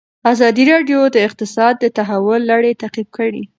ازادي راډیو د اقتصاد د تحول لړۍ تعقیب کړې.